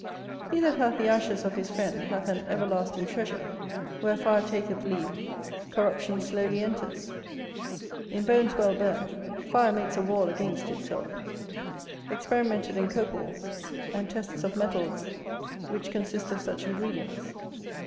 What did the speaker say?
He that hath the ashes of his friend, hath an everlasting treasure; where fire taketh leave, corruption slowly enters. In bones well burnt, fire makes a wall against itself; experimented in Copels, and tests of metals, which consist of such ingredients.